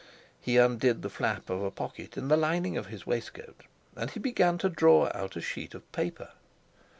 He undid the flap of a pocket in the lining of his waistcoat, and he began to draw out a sheet of paper.